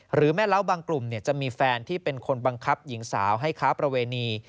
หรือแม่เล้าบางกลุ่มจะมีแฟนที่เป็นคนบังคับหญิงสาวให้ค้าประเวณี